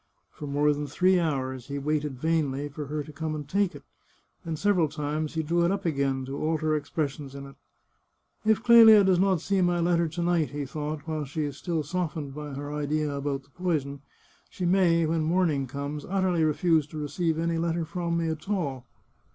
For more than three hours he waited vainly for her to come and take it, and several times he drew it up again to alter expressions in it. " If Clelia does not see my letter to night," he thought, " while she is still softened by her idea about the poison, she may, when morning comes, utterly refuse to receive any letter from me at all."